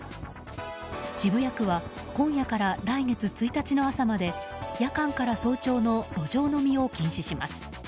渋谷区は今夜から来月１日の朝まで夜間から早朝の路上飲みを禁止します。